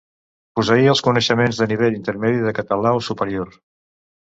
Posseir els coneixements de nivell intermedi de català o superior.